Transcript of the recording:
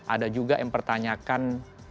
ada juga yang pertanyakan